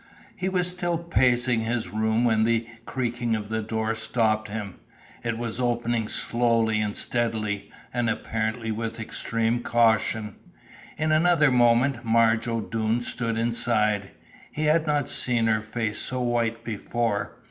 He was still pacing his room when the creaking of the door stopped him. It was opening slowly and steadily and apparently with extreme caution. In another moment Marge O'Doone stood inside. He had not seen her face so white before.